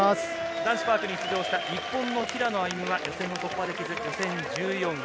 男子パークに出場した日本の平野歩夢は予選突破できず、予選１４位。